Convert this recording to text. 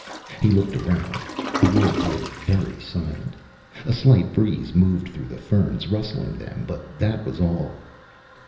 He looked around. The woods were very silent. A slight breeze moved through the ferns, rustling them, but that was all.